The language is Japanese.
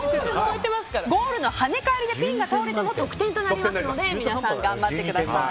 ゴールの跳ね返りでピンが倒れても得点になりますので皆さん頑張ってください。